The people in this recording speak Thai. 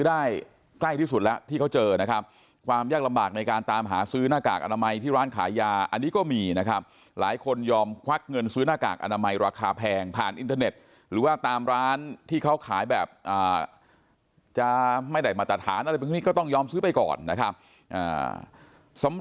อันนี้ก็จะแก้ปัญหาที่ชาวบ้านบอกว่า